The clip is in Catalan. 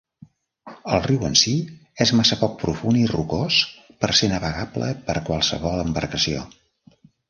El riu en si és massa poc profund i rocós per ser navegable per qualsevol embarcació.